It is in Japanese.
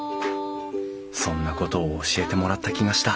そんなことを教えてもらった気がした